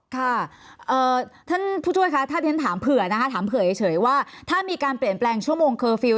ค่ะท่านผู้ช่วยคะถ้าเรียนถามเผื่อนะคะถามเผื่อเฉยว่าถ้ามีการเปลี่ยนแปลงชั่วโมงเคอร์ฟิลล